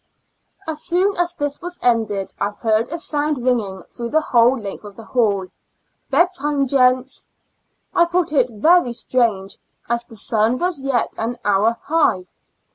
As soon as this was ended, I heard a sound ringing through the whole length of the 48 ^T70 YUARS AND FoUR MONTHS hall, " Bed time gents!''' I thought it very strange, as the sun was yet an hour high.